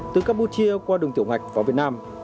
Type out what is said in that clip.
từ campuchia qua đường tiểu ngạch vào việt nam